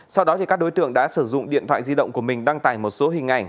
sau đó các đối tượng đã sử dụng điện thoại di động của mình đăng tải một số hình ảnh